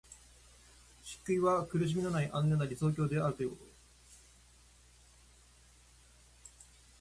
涅槃は苦しみのない安穏な理想郷であるということ。